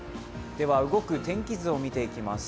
動く天気図を見ていきます。